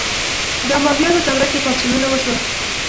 د امویانو دوره کې پاڅونونه وشول